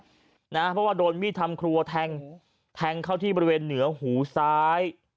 เพราะว่าโดนมีดทำครัวแทงแทงเข้าที่บริเวณเหนือหูซ้าย